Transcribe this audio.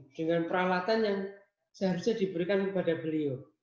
dengan peralatan yang seharusnya diberikan kepada beliau